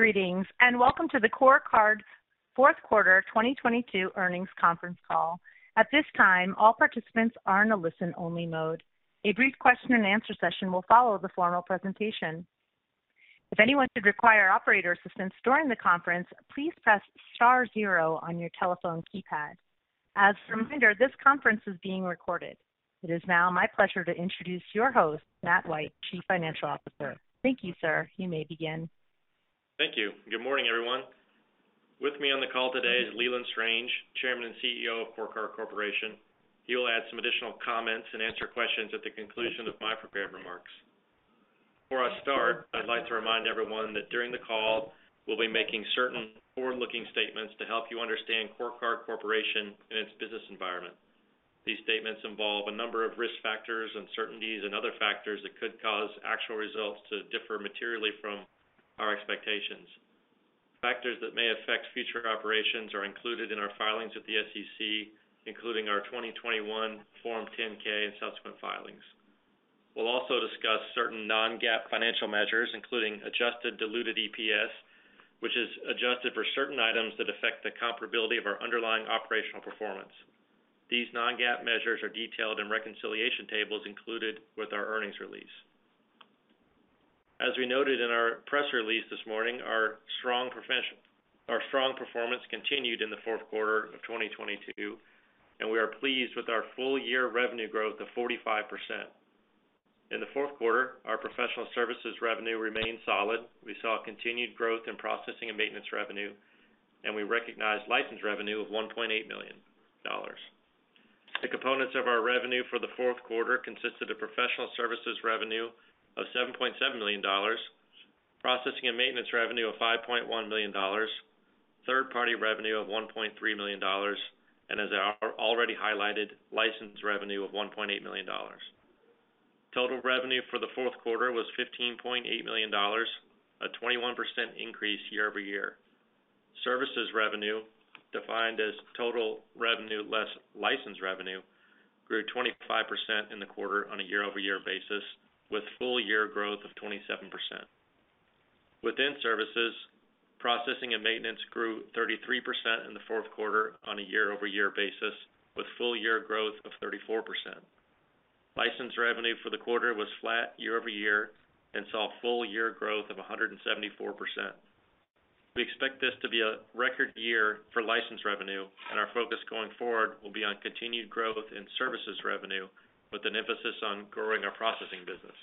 Greetings, and welcome to the CoreCard fourth quarter 2022 earnings conference call. At this time, all participants are in a listen-only mode. A brief question and answer session will follow the formal presentation. If anyone should require operator assistance during the conference, please press star 0 on your telephone keypad. As a reminder, this conference is being recorded. It is now my pleasure to introduce your host, Matt White, Chief Financial Officer. Thank you, sir. You may begin. Thank you. Good morning, everyone. With me on the call today is Leland Strange, Chairman and CEO of CoreCard Corporation. He will add some additional comments and answer questions at the conclusion of my prepared remarks. Before I start, I'd like to remind everyone that during the call, we'll be making certain forward-looking statements to help you understand CoreCard Corporation and its business environment. These statements involve a number of risk factors, uncertainties, and other factors that could cause actual results to differ materially from our expectations. Factors that may affect future operations are included in our filings with the SEC, including our 2021 Form 10-K and subsequent filings. We'll also discuss certain non-GAAP financial measures, including Adjusted Diluted EPS, which is adjusted for certain items that affect the comparability of our underlying operational performance. These non-GAAP measures are detailed in reconciliation tables included with our earnings release. As we noted in our press release this morning, our strong performance continued in the fourth quarter of 2022. We are pleased with our full-year revenue growth of 45%. In the fourth quarter, our professional services revenue remained solid. We saw continued growth in processing and maintenance revenue. We recognized license revenue of $1.8 million. The components of our revenue for the fourth quarter consisted of professional services revenue of $7.7 million, processing and maintenance revenue of $5.1 million, third-party revenue of $1.3 million. As I already highlighted, license revenue of $1.8 million. Total revenue for the fourth quarter was $15.8 million, a 21% increase year-over-year. Services revenue, defined as total revenue less license revenue, grew 25% in the quarter on a year-over-year basis, with full-year growth of 27%. Within services, processing and maintenance grew 33% in the fourth quarter on a year-over-year basis, with full year growth of 34%. License revenue for the quarter was flat year-over-year and saw full year growth of 174%. We expect this to be a record year for license revenue, and our focus going forward will be on continued growth in services revenue with an emphasis on growing our processing business.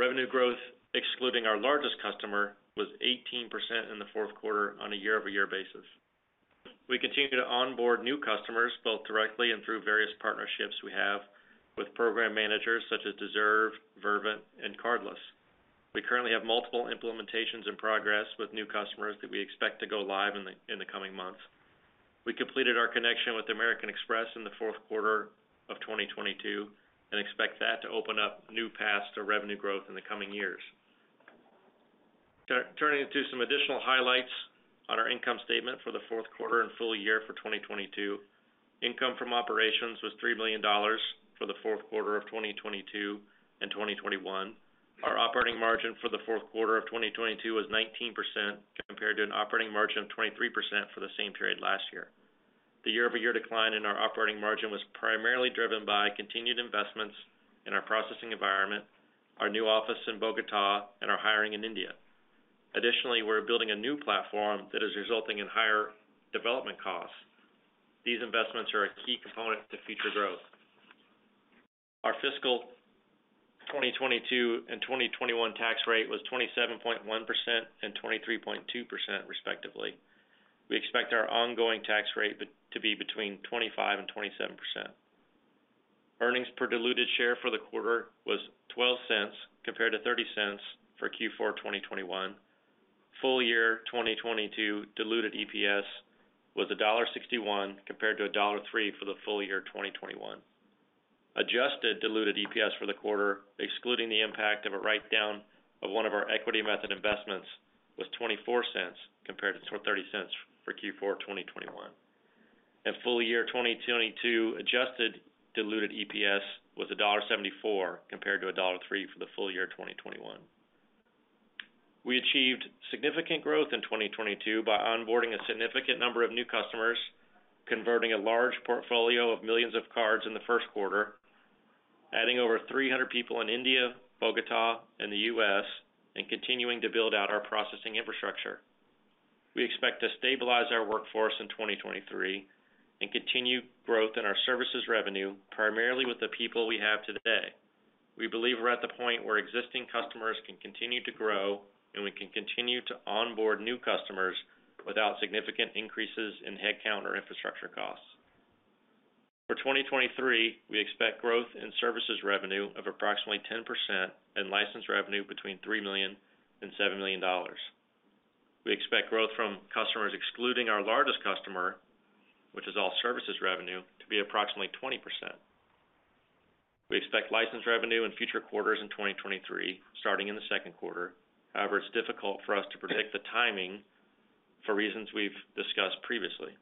Revenue growth, excluding our largest customer, was 18% in the fourth quarter on a year-over-year basis. We continue to onboard new customers, both directly and through various partnerships we have with program managers such as Deserve, Vervent, and Cardless. We currently have multiple implementations in progress with new customers that we expect to go live in the coming months. We completed our connection with American Express in the fourth quarter of 2022 and expect that to open up new paths to revenue growth in the coming years. Turning to some additional highlights on our income statement for the fourth quarter and full year for 2022. Income from operations was $3 million for the fourth quarter of 2022 and 2021. Our operating margin for the fourth quarter of 2022 was 19% compared to an operating margin of 23% for the same period last year. The year-over-year decline in our operating margin was primarily driven by continued investments in our processing environment, our new office in Bogota, and our hiring in India. Additionally, we're building a new platform that is resulting in higher development costs. These investments are a key component to future growth. Our fiscal 2022 and 2021 tax rate was 27.1% and 23.2% respectively. We expect our ongoing tax rate to be between 25% and 27%. Earnings per diluted share for the quarter was $0.12 compared to $0.30 for Q4 2021. Full year 2022 diluted EPS was $1.61 compared to $1.03 for the full year 2021. Adjusted diluted EPS for the quarter, excluding the impact of a write-down of one of our equity method investments, was $0.24 compared to $0.30 for Q4 2021. Full year 2022 Adjusted diluted EPS was $1.74 compared to $1.03 for the full year 2021. We achieved significant growth in 2022 by onboarding a significant number of new customers, converting a large portfolio of millions of cards in the first quarter, adding over 300 people in India, Bogota, and the U.S., and continuing to build out our processing infrastructure. We expect to stabilize our workforce in 2023 and continue growth in our services revenue primarily with the people we have today. We believe we're at the point where existing customers can continue to grow, and we can continue to onboard new customers without significant increases in headcount or infrastructure costs. For 2023, we expect growth in services revenue of approximately 10% and license revenue between $3 million and $7 million. We expect growth from customers excluding our largest customer, which is all services revenue, to be approximately 20%. We expect license revenue in future quarters in 2023, starting in the second quarter. It's difficult for us to predict the timing for reasons we've discussed previously.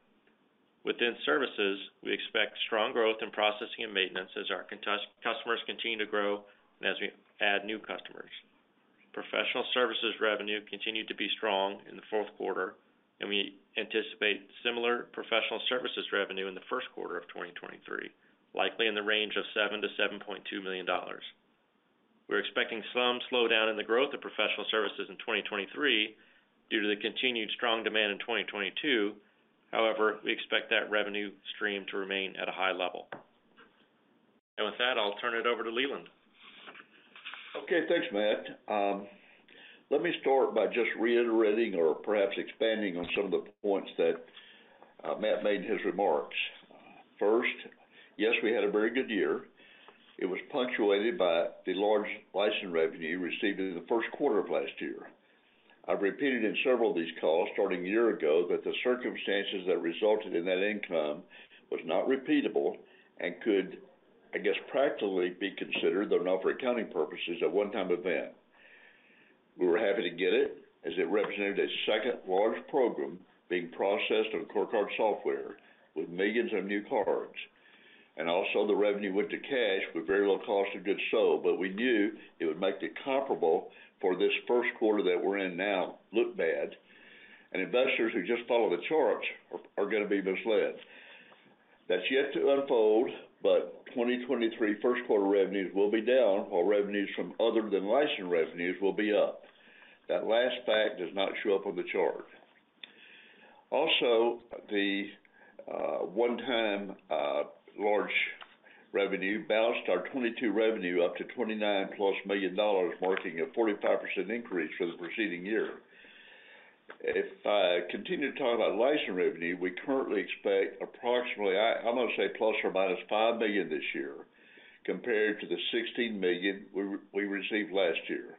Within services, we expect strong growth in processing and maintenance as our customers continue to grow and as we add new customers. Professional services revenue continued to be strong in the fourth quarter, and we anticipate similar professional services revenue in the first quarter of 2023, likely in the range of $7 million-$7.2 million. We're expecting some slowdown in the growth of professional services in 2023 due to the continued strong demand in 2022. We expect that revenue stream to remain at a high level. With that, I'll turn it over to Leland. Okay, thanks, Matt. Let me start by just reiterating or perhaps expanding on some of the points that Matt made in his remarks. First, yes, we had a very good year. It was punctuated by the large licensing revenue received in the first quarter of last year. I've repeated in several of these calls, starting a year ago, that the circumstances that resulted in that income was not repeatable and could, I guess, practically be considered, though not for accounting purposes, a one-time event. We were happy to get it as it represented a second-largest program being processed on CoreCard software with millions of new cards. Also, the revenue went to cash with very low cost of goods sold. We knew it would make it comparable for this first quarter that we're in now look bad, and investors who just follow the charts are gonna be misled. That's yet to unfold. 2023 first quarter revenues will be down while revenues from other than licensing revenues will be up. That last fact does not show up on the chart. Also, the one-time large revenue bounced our 2022 revenue up to $29+ million, marking a 45% increase for the preceding year. If I continue to talk about licensing revenue, we currently expect approximately, I'm gonna say ±$5 million this year compared to the $16 million we received last year.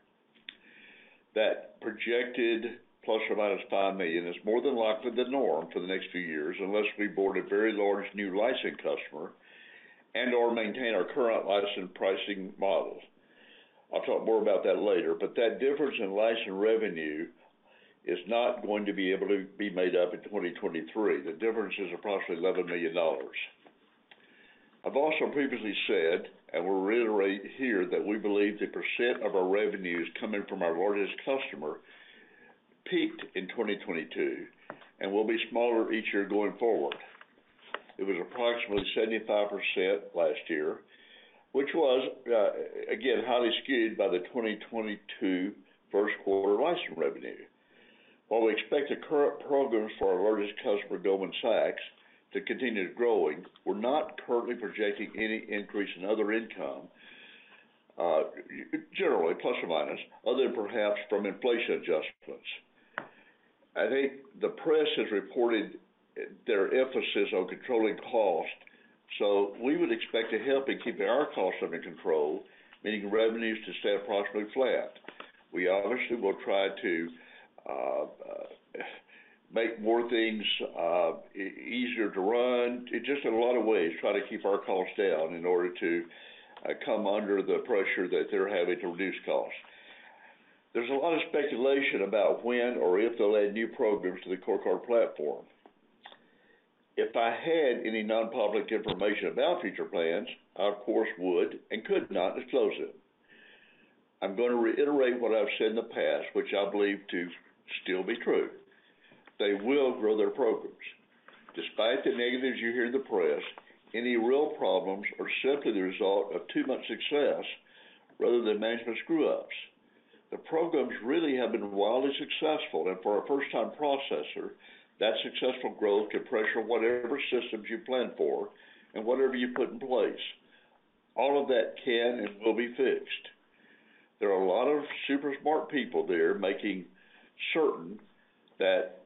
That projected ±$5 million is more than likely the norm for the next few years, unless we board a very large new licensing customer and/or maintain our current licensing pricing models. I'll talk more about that later. That difference in licensing revenue is not going to be able to be made up in 2023. The difference is approximately $11 million. I've also previously said, and will reiterate here, that we believe the % of our revenues coming from our largest customer peaked in 2022 and will be smaller each year going forward. It was approximately 75% last year, which was again, highly skewed by the 2022 first quarter licensing revenue. While we expect the current programs for our largest customer, Goldman Sachs, to continue growing, we're not currently projecting any increase in other income, generally, plus or minus, other than perhaps from inflation adjustments. I think the press has reported their emphasis on controlling costs, so we would expect to help in keeping our costs under control, meaning revenues to stay approximately flat. We obviously will try to make more things easier to run. Just in a lot of ways, try to keep our costs down in order to come under the pressure that they're having to reduce costs. There's a lot of speculation about when or if they'll add new programs to the CoreCard platform. If I had any non-public information about future plans, I, of course, would and could not disclose it. I'm gonna reiterate what I've said in the past, which I believe to still be true. They will grow their programs. Despite the negatives you hear in the press, any real problems are simply the result of too much success rather than management screw-ups. The programs really have been wildly successful. For a first-time processor, that successful growth can pressure whatever systems you plan for and whatever you put in place. All of that can and will be fixed. There are a lot of super smart people there making certain that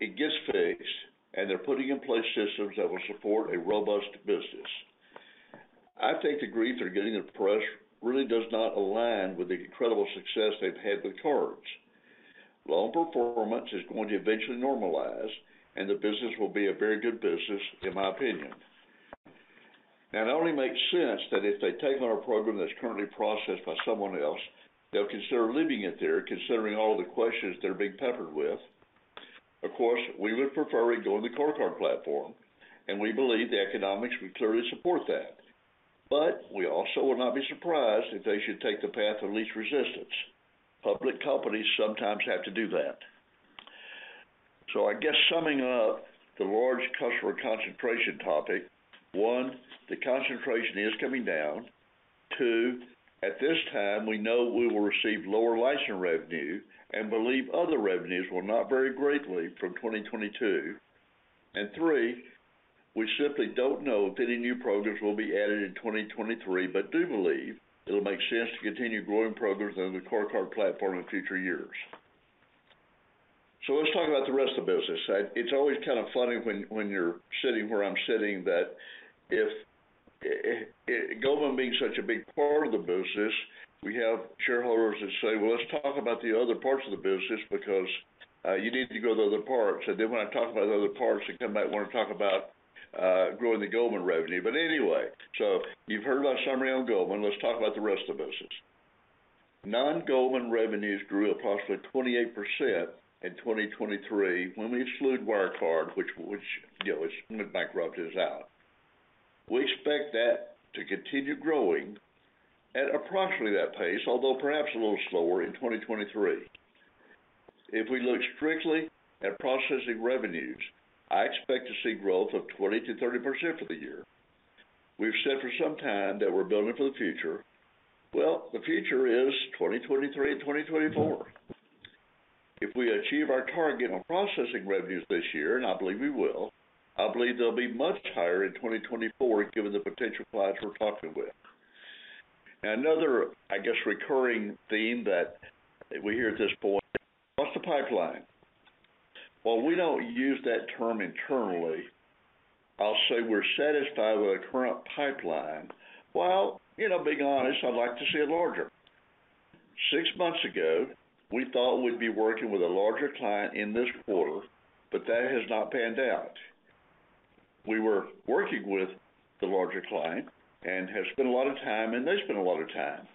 it gets fixed. They're putting in place systems that will support a robust business. I think the grief they're getting in the press really does not align with the incredible success they've had with cards. Loan performance is going to eventually normalize. The business will be a very good business, in my opinion. It only makes sense that if they take on a program that's currently processed by someone else, they'll consider leaving it there, considering all the questions they're being peppered with. Of course, we would prefer it go on the CoreCard platform, and we believe the economics would clearly support that. We also would not be surprised if they should take the path of least resistance. Public companies sometimes have to do that. I guess summing up the large customer concentration topic. One, the concentration is coming down. Two, at this time, we know we will receive lower licensing revenue and believe other revenues will not vary greatly from 2022. Three, we simply don't know if any new programs will be added in 2023, but do believe it'll make sense to continue growing programs on the CoreCard platform in future years. Let's talk about the rest of the business. It's always kind of funny when you're sitting where I'm sitting that if Goldman being such a big part of the business, we have shareholders that say, "Well, let's talk about the other parts of the business because you need to go to the other parts." When I talk about the other parts, they come back and wanna talk about growing the Goldman revenue. You've heard my summary on Goldman. Let's talk about the rest of the business. Non-Goldman revenues grew approximately 28% in 2023 when we exclude Wirecard, which, you know, went bankrupt, is out. We expect that to continue growing at approximately that pace, although perhaps a little slower in 2023. If we look strictly at processing revenues, I expect to see growth of 20%-30% for the year. We've said for some time that we're building for the future. The future is 2023 and 2024. If we achieve our target on processing revenues this year, and I believe we will, I believe they'll be much higher in 2024, given the potential clients we're talking with. Another, I guess, recurring theme that we hear at this point, "What's the pipeline?" We don't use that term internally. I'll say we're satisfied with the current pipeline. You know, being honest, I'd like to see it larger. Six months ago, we thought we'd be working with a larger client in this quarter, but that has not panned out. We were working with the larger client and have spent a lot of time, and they spent a lot of time.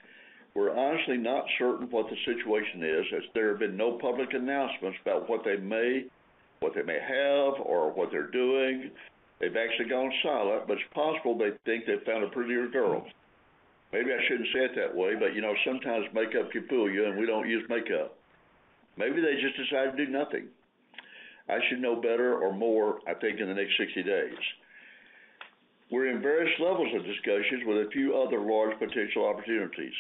We're honestly not certain what the situation is, as there have been no public announcements about what they may have or what they're doing. They've actually gone silent, but it's possible they think they found a prettier girl. I shouldn't say it that way, but, you know, sometimes makeup can fool you, and we don't use makeup. They just decided to do nothing. I should know better or more, I think, in the next 60 days. We're in various levels of discussions with a few other large potential opportunities.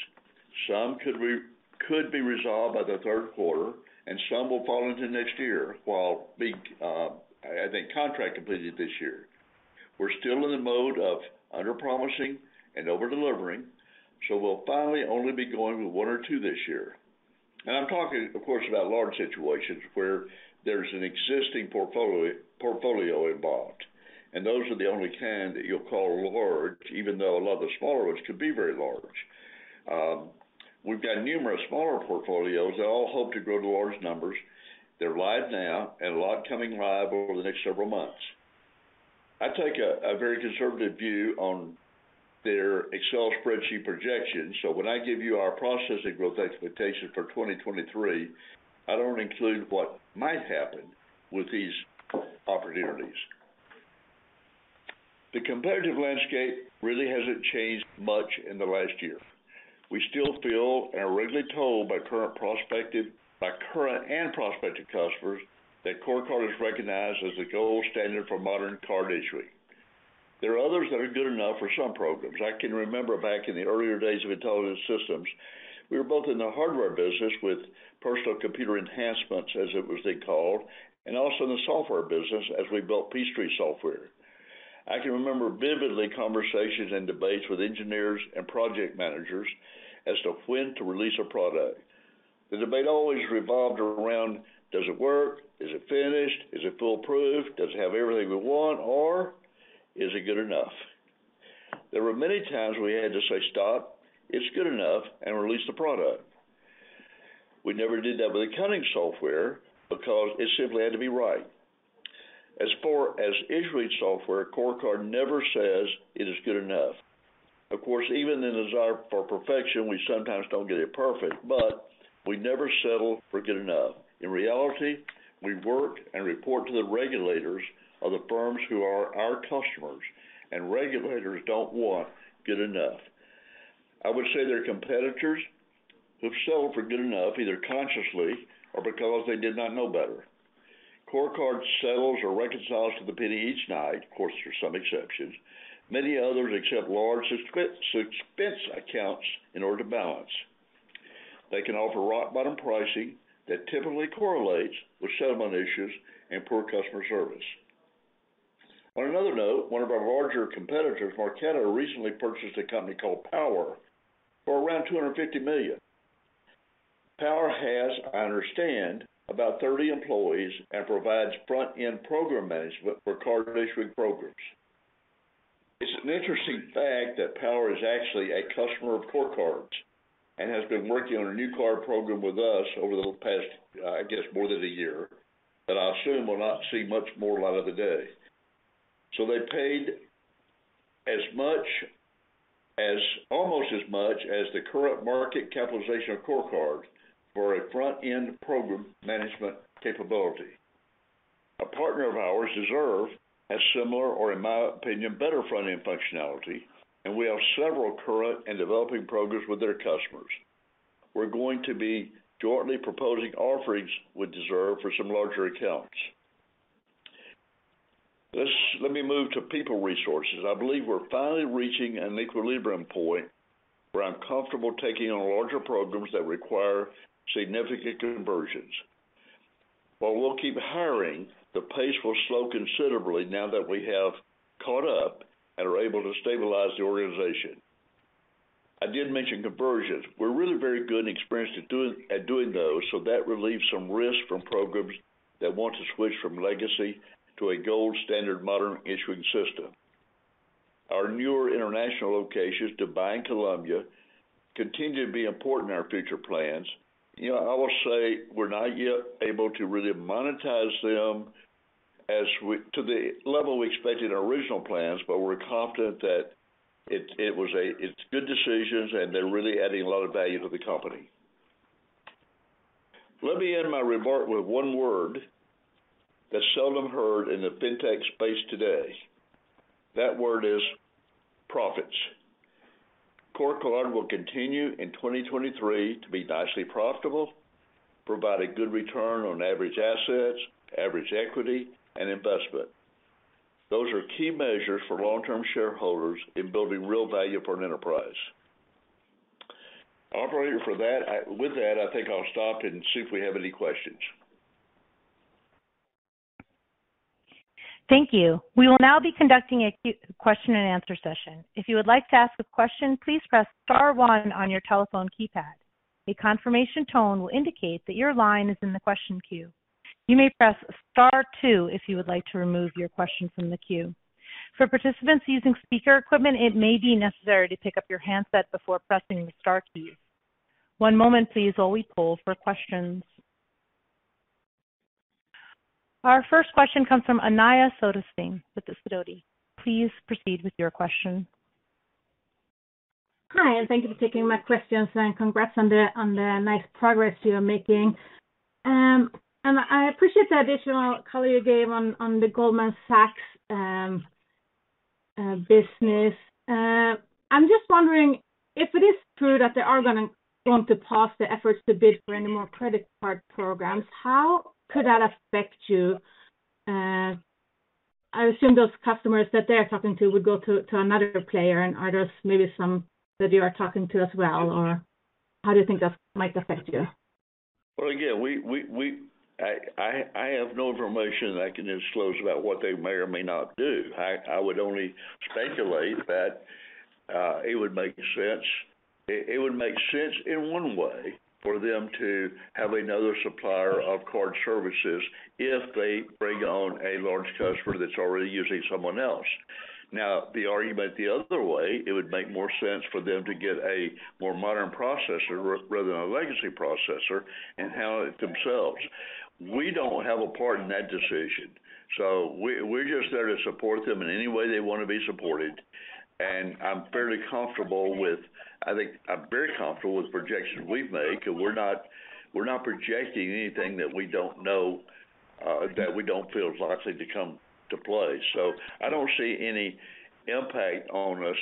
Some could be resolved by the 3rd quarter, and some will fall into next year while being, I think contract completed this year. We're still in the mode of underpromising and over-delivering, so we'll finally only be going with 1 or 2 this year. I'm talking, of course, about large situations where there's an existing portfolio involved, and those are the only kind that you'll call large, even though a lot of the smaller ones could be very large. We've got numerous smaller portfolios that all hope to grow to large numbers. They're live now and a lot coming live over the next several months. I take a very conservative view on their Excel spreadsheet projections, so when I give you our processing growth expectation for 2023, I don't include what might happen with these opportunities. The competitive landscape really hasn't changed much in the last year. We still feel and are regularly told by current and prospective customers that CoreCard is recognized as the gold standard for modern card issuing. There are others that are good enough for some programs. I can remember back in the earlier days of Intelligent Systems, we were both in the hardware business with personal computer enhancements, as it was then called, and also in the software business as we built Peachtree software. I can remember vividly conversations and debates with engineers and project managers as to when to release a product. The debate always revolved around does it work, is it finished, is it foolproof, does it have everything we want, or is it good enough. There were many times we had to say, "Stop, it's good enough," and release the product. We never did that with accounting software because it simply had to be right. As for as issuing software, CoreCard never says it is good enough. Of course, even in the desire for perfection, we sometimes don't get it perfect, but we never settle for good enough. In reality, we work and report to the regulators of the firms who are our customers, and regulators don't want good enough. I would say they're competitors who've settled for good enough, either consciously or because they did not know better. CoreCard settles or reconciles to the penny each night. Of course, there's some exceptions. Many others accept large suspense accounts in order to balance. They can offer rock-bottom pricing that typically correlates with settlement issues and poor customer service. On another note, one of our larger competitors, Marqeta, recently purchased a company called Power for around $250 million. Power has, I understand, about 30 employees and provides front-end program management for card issuing programs. It's an interesting fact that Power is actually a customer of CoreCard's and has been working on a new card program with us over the past, I guess more than one year, that I assume will not see much more light of the day. So they paid as much as almost as much as the current market capitalization of CoreCard for a front-end program management capability. A partner of ours, Deserve, has similar or, in my opinion, better front-end functionality, and we have several current and developing programs with their customers. We're going to be jointly proposing offerings with Deserve for some larger accounts. Let me move to people resources. I believe we're finally reaching an equilibrium point where I'm comfortable taking on larger programs that require significant conversions. While we'll keep hiring, the pace will slow considerably now that we have caught up and are able to stabilize the organization. I did mention conversions. We're really very good and experienced at doing those, so that relieves some risk from programs that want to switch from legacy to a gold standard modern issuing system. Our newer international locations, Dubai and Colombia, continue to be important in our future plans. You know, I will say we're not yet able to really monetize them as we to the level we expected in our original plans, but we're confident that it's good decisions and they're really adding a lot of value to the company. Let me end my remark with one word that's seldom heard in the fintech space today. That word is profits. CoreCard will continue in 2023 to be nicely profitable, provide a good return on average assets, average equity and investment. Those are key measures for long-term shareholders in building real value for an enterprise. Operator, with that, I think I'll stop and see if we have any questions. Thank you. We will now be conducting a question and answer session. If you would like to ask a question, please press star one on your telephone keypad. A confirmation tone will indicate that your line is in the question queue. You may press star two if you would like to remove your question from the queue. For participants using speaker equipment, it may be necessary to pick up your handset before pressing the star keys. One moment please while we poll for questions. Our first question comes from Anja Soderstrom with Sidoti. Please proceed with your question. Hi, thank you for taking my questions, and congrats on the nice progress you are making. I appreciate the additional color you gave on the Goldman Sachs business. I'm just wondering if it is true that they are gonna want to pause the efforts to bid for any more credit card programs, how could that affect you? I assume those customers that they're talking to would go to another player and are there maybe some that you are talking to as well? How do you think that might affect you? Again, we I have no information that I can disclose about what they may or may not do. I would only speculate that it would make sense. It would make sense in one way for them to have another supplier of card services if they bring on a large customer that's already using someone else. The argument the other way, it would make more sense for them to get a more modern processor rather than a legacy processor and have it themselves. We don't have a part in that decision, so we're just there to support them in any way they wanna be supported. I'm fairly comfortable with, I think I'm very comfortable with the projections we've made, because we're not, we're not projecting anything that we don't know, that we don't feel is likely to come to play. I don't see any impact on us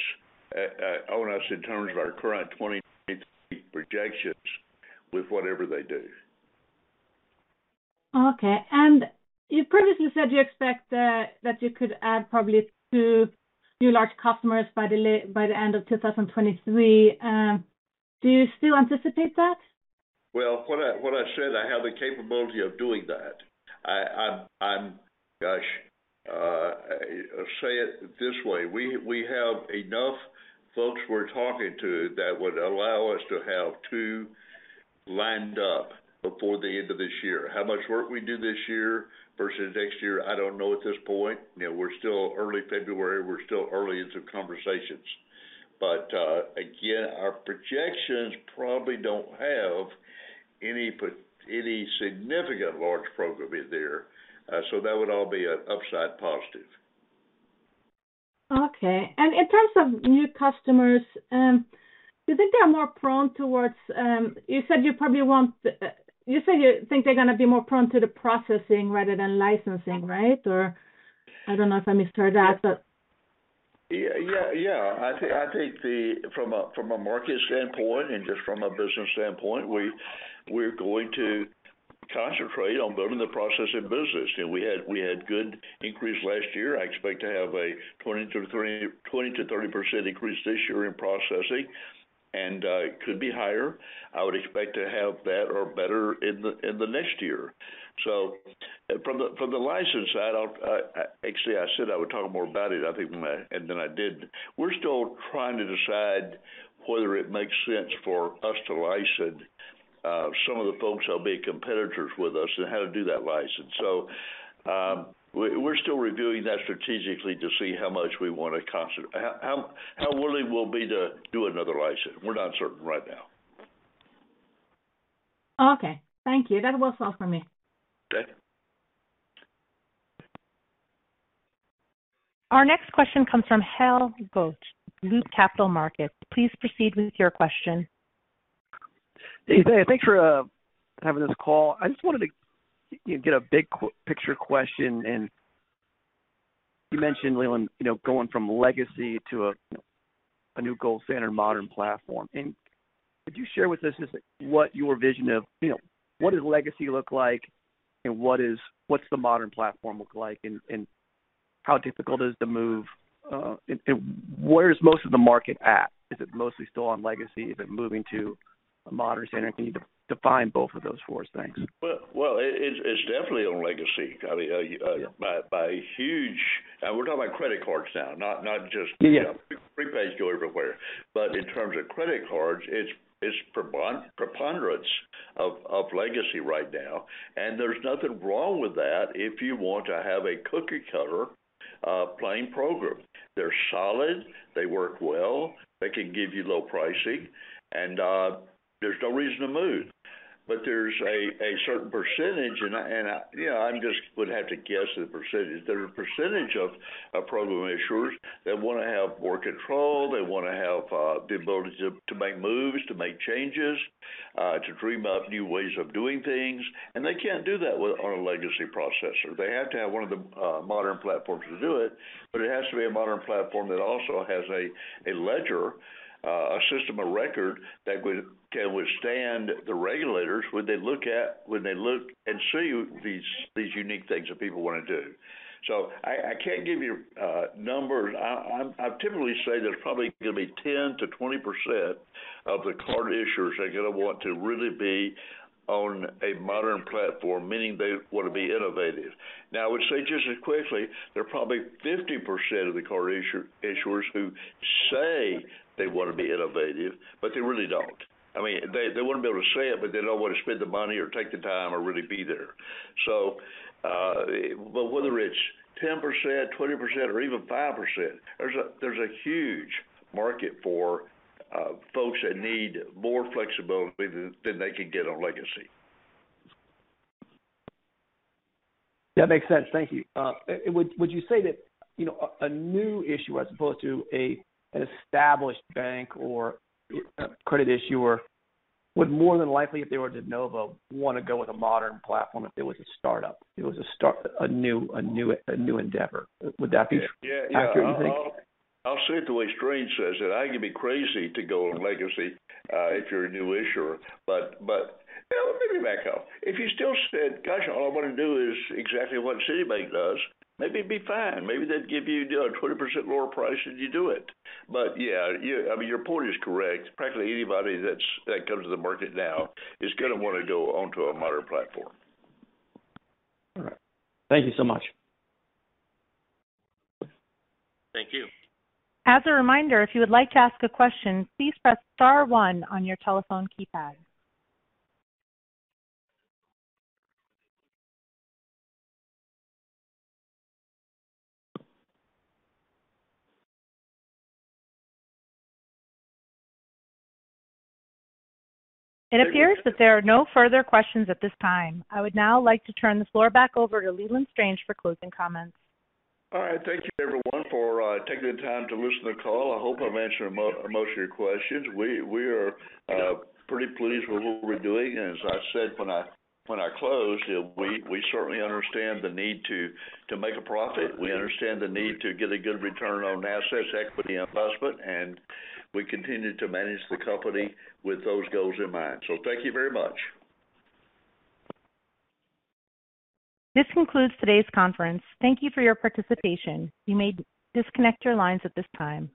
in terms of our current 2023 projections with whatever they do. Okay. You previously said you expect that you could add probably two new large customers by the end of 2023. Do you still anticipate that? Well, what I said, I have the capability of doing that. I'm Gosh, say it this way, we have enough folks we're talking to that would allow us to have two lined up before the end of this year. How much work we do this year versus next year, I don't know at this point. You know, we're still early February, we're still early into conversations. Again, our projections probably don't have any significant large program in there. That would all be an upside positive. Okay. In terms of new customers, do you think they are more prone towards? You said you think they're gonna be more prone to the processing rather than licensing, right? I don't know if I misheard that. Yeah, yeah. I think from a market standpoint and just from a business standpoint, we're going to concentrate on building the processing business. You know, we had good increase last year. I expect to have a 20%-30% increase this year in processing, and could be higher. I would expect to have that or better in the next year. From the license side, actually, I said I would talk more about it, I think, than I did. We're still trying to decide whether it makes sense for us to license some of the folks that'll be competitors with us and how to do that license. We're still reviewing that strategically to see how much we wanna concentrate. How willing we'll be to do another license. We're not certain right now. Okay. Thank you. That was all for me. Okay. Our next question comes from Hal Goetsch, Loop Capital Markets. Please proceed with your question. Hey. Thanks for having this call. I just wanted to get a big picture question. You mentioned, Leland, you know, going from legacy to a new gold standard modern platform. Could you share with us just what your vision of, you know, what does legacy look like and what's the modern platform look like and how difficult is the move? Where is most of the market at? Is it mostly still on legacy? Is it moving to a modern standard? Can you define both of those four things? Well, it's definitely on legacy. I mean, by huge... We're talking about credit cards now, not. Yeah. Prepaid's go everywhere. In terms of credit cards, it's preponderance of legacy right now. There's nothing wrong with that if you want to have a cookie-cutter A plain program. They're solid, they work well, they can give you low pricing, and there's no reason to move. There's a certain percentage, and I, you know, I'm just would have to guess at a percentage. There's a percentage of program issuers that wanna have more control, they wanna have the ability to make moves, to make changes, to dream up new ways of doing things, and they can't do that with... on a legacy processor. They have to have one of the modern platforms to do it, but it has to be a modern platform that also has a ledger, a system of record that would... can withstand the regulators when they look and see these unique things that people wanna do. I can't give you numbers. I'd typically say there's probably gonna be 10%-20% of the card issuers are gonna want to really be on a modern platform, meaning they wanna be innovative. I would say just as quickly, there are probably 50% of the card issuers who say they wanna be innovative, but they really don't. I mean, they wanna be able to say it, but they don't wanna spend the money or take the time or really be there. Whether it's 10%, 20%, or even 5%, there's a huge market for folks that need more flexibility than they can get on legacy. That makes sense. Thank you. Would you say that, you know, a new issuer as opposed to an established bank or a credit issuer would more than likely, if they were to nova, wanna go with a modern platform if it was a startup? If it was a new endeavor. Would that be true? Yeah. Accurate, you think? I'll say it the way Strange says it. I could be crazy to go on legacy if you're a new issuer. You know, let me back up. If you still said, "Gosh, all I wanna do is exactly what Citibank does," maybe it'd be fine. Maybe they'd give you know, a 20% lower price and you do it. Yeah, I mean, your point is correct. Practically anybody that comes to the market now is gonna wanna go onto a modern platform. All right. Thank you so much. Thank you. As a reminder, if you would like to ask a question, please press star one on your telephone keypad. It appears that there are no further questions at this time. I would now like to turn the floor back over to Leland Strange for closing comments. All right. Thank you, everyone, for taking the time to listen to the call. I hope I've answered most of your questions. We are pretty pleased with what we're doing, and as I said when I closed, you know, we certainly understand the need to make a profit. We understand the need to get a good return on assets, equity, and investment, and we continue to manage the company with those goals in mind. Thank you very much. This concludes today's conference. Thank you for your participation. You may disconnect your lines at this time.